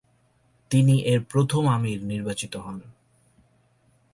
তিনি এর প্রথম আমীর নির্বাচিত হন।